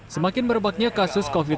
semakin merebatnya kasus covid sembilan belas